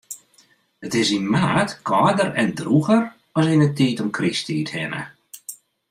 It is yn maart kâlder en drûger as yn 'e tiid om Krysttiid hinne.